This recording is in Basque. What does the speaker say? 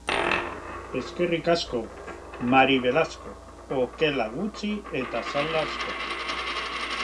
Eskerrik asko, Mari Belasko! Okela gutxi eta salda asko.